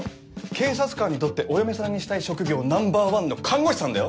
警察官にとってお嫁さんにしたい職業ナンバーワンの看護師さんだよ？